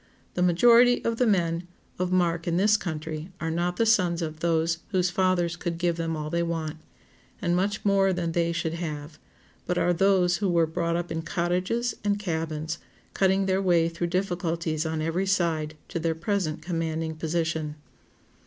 The majority of the men of mark in this country are not the sons of those whose fathers could give them all they want, and much more than they should have, but are those who were brought up in cottages and cabins, cutting their way through difficulties on every side to their present commanding position.